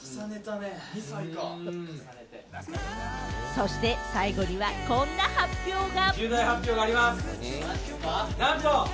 そして、最後にはこんな発表が。